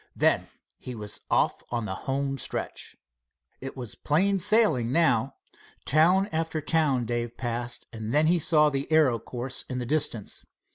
Then he was off on the home stretch. It was plain sailing now. Town after town Dave passed and then he saw the aero course in the distance.